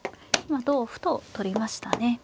今同歩と取りましたね。